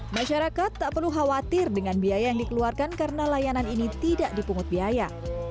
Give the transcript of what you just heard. masyarakat tak perlu khawatir dengan biaya yang dikeluarkan karena layanan ini tidak dipungut biaya